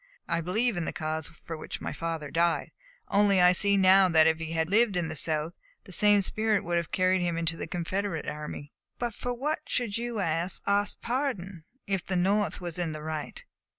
I believe in the cause for which my father died. Only I see now that if he had lived in the South, the same spirit would have carried him into the Confederate army." "But for what should you ask pardon, if the North was in the right?"